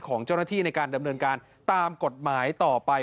ของเจ้าหน้าที่ในการดำเนินการตามกฎหมายต่อไป